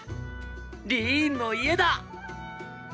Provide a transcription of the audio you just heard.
リーンの家だ！